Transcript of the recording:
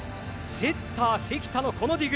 セッター、関田のこのディグ。